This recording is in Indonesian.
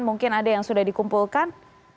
mungkin ada yang sudah dikumpulkan